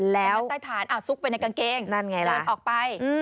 แล้วอ่าซุกไปในกางเกงออกไปนั่นไงล่ะ